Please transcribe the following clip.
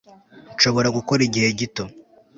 Nshobora gukora igihe gito